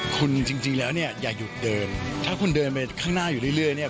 คุณจริงแล้วเนี่ยอย่าหยุดเดินถ้าคุณเดินไปข้างหน้าอยู่เรื่อยเนี่ย